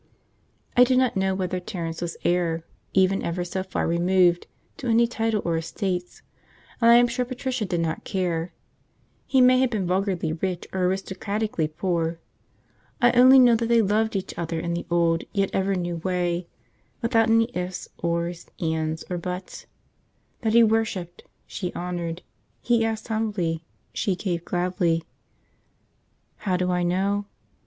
I do not know whether Terence was heir, even ever so far removed, to any title or estates, and I am sure Patricia did not care: he may have been vulgarly rich or aristocratically poor. I only know that they loved each other in the old yet ever new way, without any ifs or ands or buts; that he worshipped, she honoured; he asked humbly, she gave gladly. How do I know?